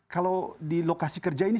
kalau di lokasi kerja ini